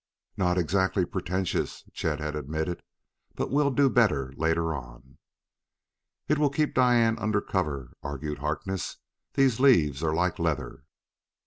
"Not exactly pretentious," Chet had admitted, "but we'll do better later on." "It will keep Diane under cover," argued Harkness; "these leaves are like leather."